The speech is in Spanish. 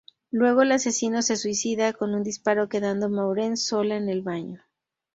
Luego el asesino se suicida de un disparo, quedando Maureen sola en el baño.